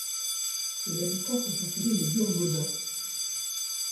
Ses habitants sont appelés les Burgaudains.